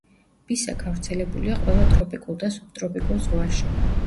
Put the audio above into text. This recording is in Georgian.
ბისა გავრცელებულია ყველა ტროპიკულ და სუბტროპიკულ ზღვაში.